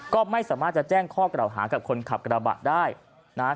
ก็ไม่สามารถจะแจ้งข้อกระดาษหาของคนขับกรบะได้นะ